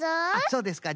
そうですか。